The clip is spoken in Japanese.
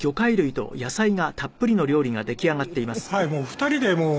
２人でもう。